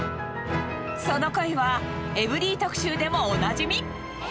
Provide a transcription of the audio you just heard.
その声は、エブリィ特集でもおなじみ。